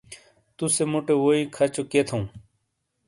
توسے موٹے ووئی کھچوکئیے تھو ؟